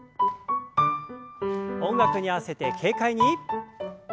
音楽に合わせて軽快に。